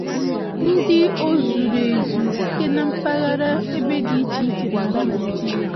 ndị o zuru ezu site na mpaghara ebe dị iche iche n'ala Nigeria.